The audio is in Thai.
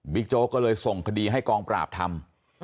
โจ๊กก็เลยส่งคดีให้กองปราบทำ